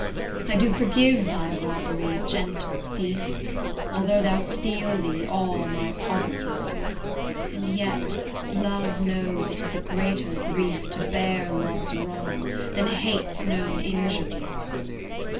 I do forgive thy robbery, gentle thief, Although thou steal thee all my poverty: And yet, love knows it is a greater grief To bear love's wrong, than hate's known injury.